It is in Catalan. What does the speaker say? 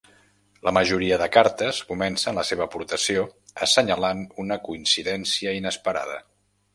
La majoria de cartes comencen la seva aportació assenyalant una coincidència inesperada.